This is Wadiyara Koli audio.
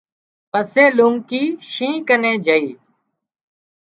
پسي لونڪي شينهن ڪنين جھئي